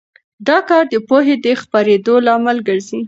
دا کار د پوهې د خپرېدو لامل ګرځي.